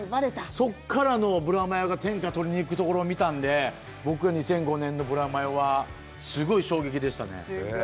そこからのブラマヨが天下取りに行くところを見たんで、僕は２００５年のブラマヨは、すごい衝撃でしたね。